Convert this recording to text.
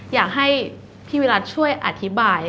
อยากให้พี่วิรัติช่วยอธิบาย